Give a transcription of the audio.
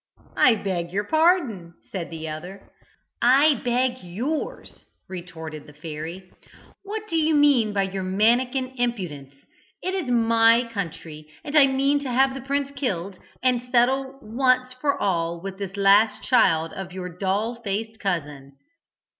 "I beg your pardon," said the other. "I beg yours," retorted the fairy. "What do you mean by your mannikin impudence? It is my country, and I mean to have the prince killed, and settle once for all with this last child of your doll faced cousin."